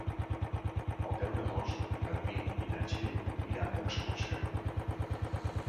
El deu d'agost en Garbí i na Txell iran d'excursió.